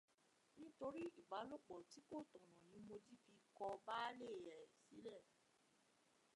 Nítorí ìbálòpọ̀ tí kò tọ̀nà ni Mojí fi kọ baálé ẹ̀ sílẹ̀